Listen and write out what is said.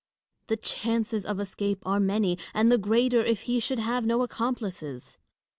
The chances of escape are many, and the greater if he should have no accomplices.